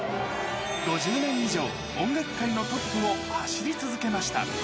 ５０年以上、音楽界のトップを走り続けました。